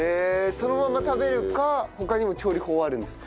そのまま食べるか他にも調理法はあるんですか？